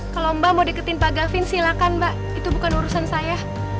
kalau mbak mau deketin pak gavin silakan mbak itu bukan urusan saya